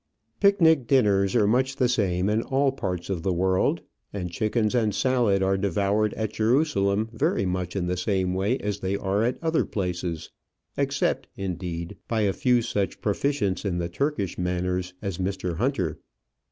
Picnic dinners are much the same in all parts of the world, and chickens and salad are devoured at Jerusalem very much in the same way as they are at other places except, indeed, by a few such proficients in Turkish manners as Mr. Hunter.